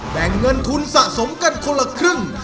แบ่งเงินทุนสะสมกันคนละครึ่ง